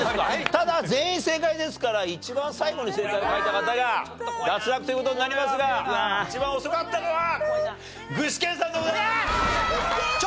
ただ全員正解ですから一番最後に正解を書いた方が脱落という事になりますが一番遅かったのは具志堅さんでございます！